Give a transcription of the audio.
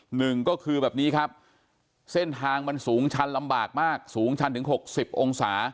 หนึ่งก็คือแบบนี้ครับเส้นทางมันสูงชันลำบากมากสูงชันถึงหกสิบองศา